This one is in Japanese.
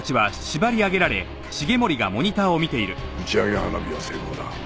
打ち上げ花火は成功だ。